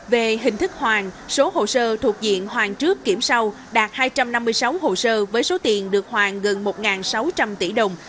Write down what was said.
về hình thức hoàn số hồ sơ thuộc diện hoàn trước kiểm sau đạt hai trăm năm mươi sáu hồ sơ với số tiền được hoàn gần một sáu trăm linh tỷ đồng